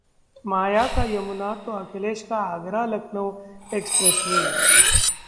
माया का यमुना तो अखिलेश का आगरा-लखनऊ एक्सप्रेस वे